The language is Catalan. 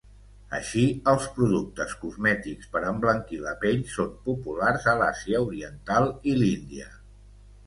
Així, els productes cosmètics per emblanquir la pell són populars a l'Àsia oriental i l'Índia.